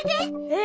え？